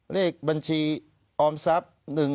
เลขบัญชีออมทรัพย์๑๑๓๔๕๖